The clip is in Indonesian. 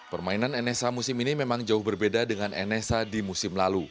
permainan nsa musim ini memang jauh berbeda dengan nsa